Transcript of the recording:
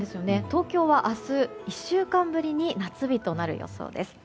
東京は明日、１週間ぶりに夏日となる予想です。